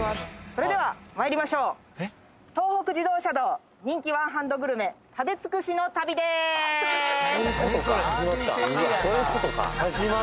それではまいりましょう東北自動車道人気ワンハンドグルメ食べ尽くしの旅でーすそういうことかうわ